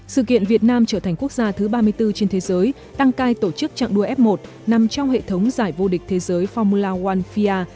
sự kiện việt nam trở thành quốc gia thứ ba mươi bốn trên thế giới đăng cai tổ chức trạng đua f một nằm trong hệ thống giải vô địch thế giới formula oanfia